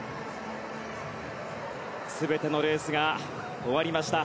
全てのレースが終わりました。